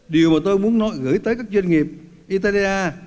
điều mà tôi muốn nói gửi tới các doanh nghiệp italia